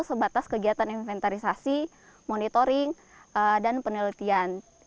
sebatas kegiatan inventarisasi monitoring dan penelitian